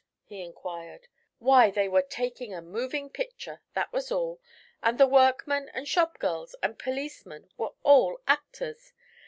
he inquired. "Why, they were taking a moving picture, that was all, and the workmen and shopgirls and policemen were all actors.